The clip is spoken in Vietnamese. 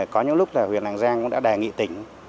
có những lúc là huyện lạng giang cũng đã đề nghị tỉnh